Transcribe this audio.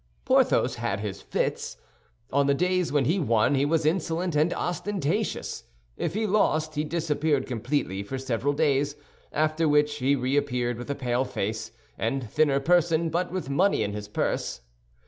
Porthos had his fits. On the days when he won he was insolent and ostentatious; if he lost, he disappeared completely for several days, after which he reappeared with a pale face and thinner person, but with money in his purse.